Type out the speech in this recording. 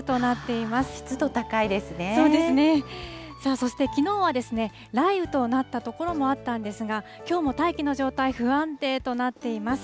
そして、きのうは雷雨となった所もあったんですが、きょうも大気の状態不安定となっています。